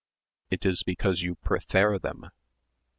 It is because you prefair them?